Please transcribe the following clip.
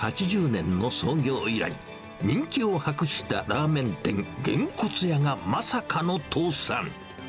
１９８０年の創業以来、人気を博したラーメン店、げんこつ屋が、まさかの倒産。